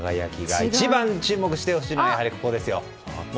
一番注目してほしいのがここですよ。